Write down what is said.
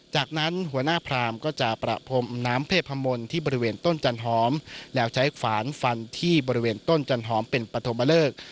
จากนั้นหัวหน้าพรามก็จะประพรมน้ำเทพมนต์ที่บริเวณต้นจันหอมแล้วใช้ขวานฟันที่บริเวณต้นจันหอมเป็นปฐมเลิก